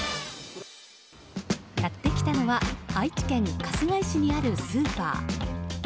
やってきたのは愛知県春日井市にあるスーパー。